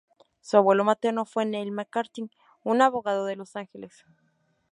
Su abuelo materno fue Neil McCarthy, un abogado de Los Ángeles.